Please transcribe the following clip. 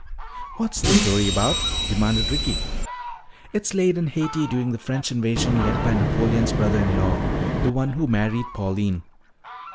"What's the story about?" demanded Ricky. "It's laid in Haiti during the French invasion led by Napoleon's brother in law, the one who married Pauline.